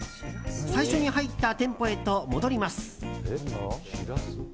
最初に入った店舗へと戻ります。